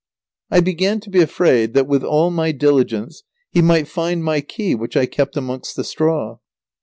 I began to be afraid that, with all my diligence, he might find my key which I kept amongst the straw.